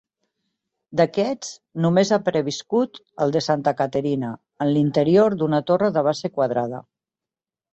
D'aquest només ha perviscut el de Santa Caterina en l'interior d'una torre de base quadrada.